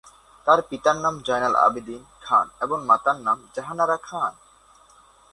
তার পিতার নাম জয়নাল আবেদীন খান এবং মাতার নাম জাহানারা খান।